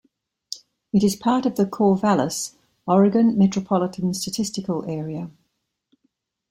It is part of the Corvallis, Oregon Metropolitan Statistical Area.